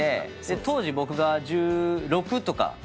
当時僕が１６とか。